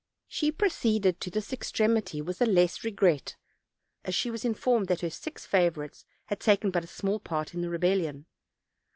She proceeded to this extremity with the less regret, as she was informed that her six favorites had taken but a small part in the rebellion.